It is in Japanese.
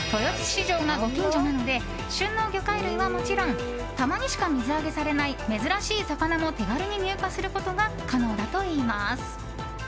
市場がご近所なので旬の魚介類はもちろんたまにしか水揚げされない珍しい魚も手軽に入荷することが可能だといいます。